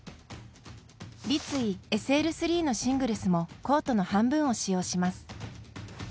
立位、ＳＬ３のシングルスもコートの半分を使用します。